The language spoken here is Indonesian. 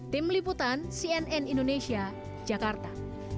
tim liputan cnn indonesia jakarta